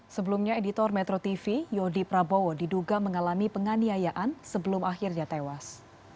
sebelumnya editor metro tv yodi prabowo diduga mengalami penganiayaan sebelum akhirnya tewas